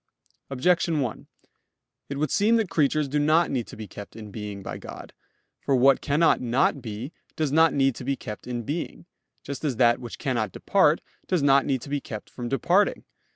Objection 1: It would seem that creatures do not need to be kept in being by God. For what cannot not be, does not need to be kept in being; just as that which cannot depart, does not need to be kept from departing.